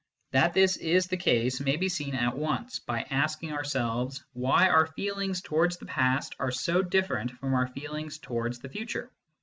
That this is the case may be seen at once by asking ourselves why our feelings towards the past are so different from our feelings towards the future.